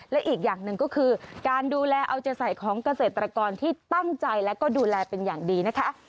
และอีกอย่างหนึ่งก็คือการดูแลเอาใจใส่ของเกษตรกรที่ตั้งใจและก็ดูแลเป็นอย่างดีนะคะ